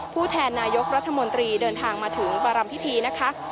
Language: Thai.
แทนนายกรัฐมนตรีเดินทางมาถึงประรำพิธีนะคะ